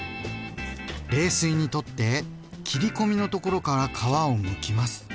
冷水にとって切り込みのところから皮をむきます。